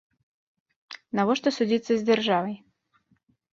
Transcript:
Навошта судзіцца з дзяржавай?